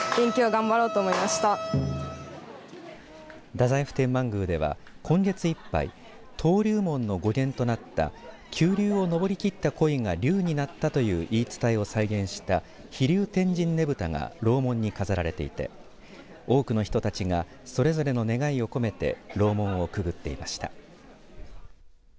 太宰府天満宮では今月いっぱい登竜門の語源となった急流を登りきったコイが竜になったという言い伝えを再現した飛龍天神ねぶたが楼門に飾られていて多くの人たちがそれぞれの願いを込めて楼門をくぐっていました。